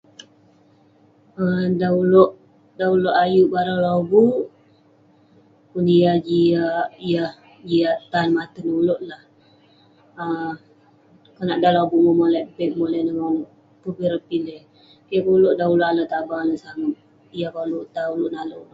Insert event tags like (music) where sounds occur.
um Dan ulouk- dan ulouk ayuk barang lobuk, yah jiak- yah jiak tan maten ulouk lah. um Konak dan lobuk memolek beg, memolek, (unintelligible) ireh pileh. Keh kek ulouk dan ulouk ale tabang, ale sangep. Yah koluk tan ulouk, nale ulouk.